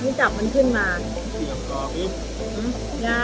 จับมันขึ้นมา